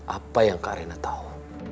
apa yang kak arena tahu